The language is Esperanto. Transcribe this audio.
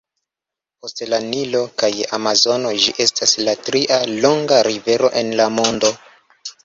Post la Nilo kaj Amazono, ĝi estas la tria longa rivero en la mondo.